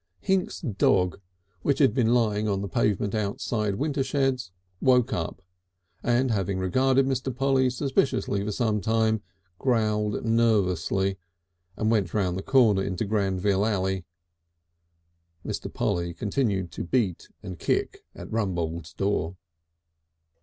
Hinks' dog, which had been lying on the pavement outside Wintershed's, woke up, and having regarded Mr. Polly suspiciously for some time, growled nervously and went round the corner into Granville Alley. Mr. Polly continued to beat and kick at Rumbold's door.